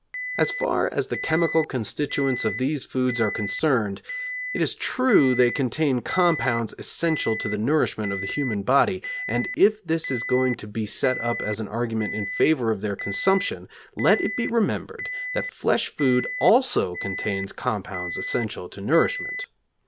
As far as the chemical constituents of these foods are concerned, it is true they contain compounds essential to the nourishment of the human body, and if this is going to be set up as an argument in favor of their consumption, let it be remembered that flesh food also contains compounds essential to nourishment.